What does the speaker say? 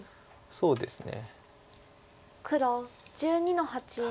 そうですね。